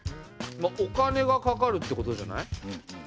お金がかかるってことじゃない？